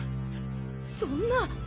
そそんな。